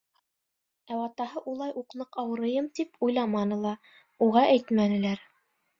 Ә атаһы улай уҡ ныҡ ауырыйым тип уйламаны ла, уға әйтмәнеләр.